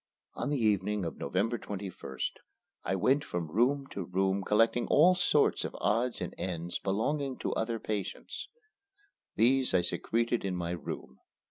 On the evening of November 21st, I went from room to room collecting all sorts of odds and ends belonging to other patients. These I secreted in my room.